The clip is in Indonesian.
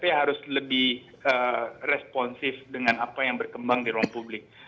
karena ksp harus lebih responsif dengan apa yang berkembang di ruang publik